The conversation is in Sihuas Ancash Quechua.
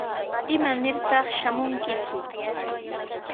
¿Imanirtaq shamunkiku?